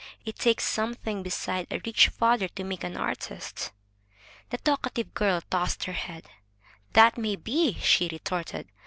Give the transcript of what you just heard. It takes something beside a rich father to make an artist." The talkative girl tossed her head. "That may be!" she retorted.